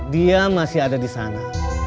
dia masih ada di sana